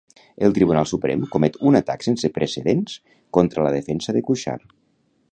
El Tribunal Suprem comet un atac sense precedents contra la defensa de Cuixart.